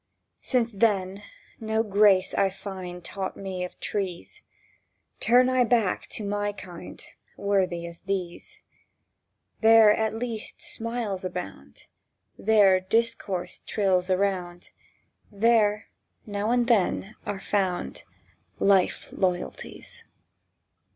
Since, then, no grace I find Taught me of trees, Turn I back to my kind, Worthy as these. There at least smiles abound, There discourse trills around, There, now and then, are found Life loyalties.